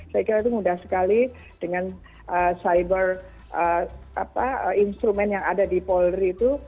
saya kira itu mudah sekali dengan cyber instrument yang ada di polri itu